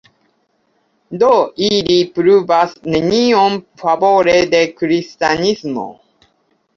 Do ili pruvas nenion favore de kristanismo.